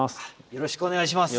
よろしくお願いします。